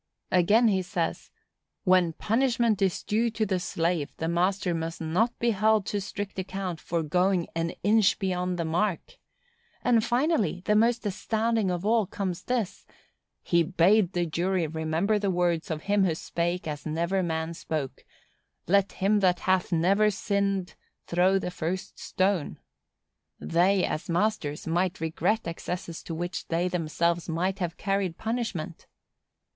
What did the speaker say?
Again he says, "When punishment is due to the slave, the master must not be held to strict account for going an inch beyond the mark." And finally, and most astounding of all, comes this: "He bade the jury remember the words of him who spake as never man spake,—'LET HIM THAT HATH NEVER SINNED THROW THE FIRST STONE.' They, as masters, might regret excesses to which they themselves might have carried punishment."